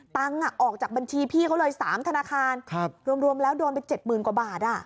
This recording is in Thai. ตังค์ออกจากบัญชีพี่เขาเลย๓ธนาคารรวมแล้วโดนไป๗๐๐กว่าบาท